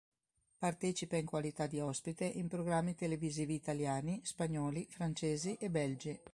Partecipa in qualità di ospite in programmi televisivi italiani, spagnoli, francesi e belgi.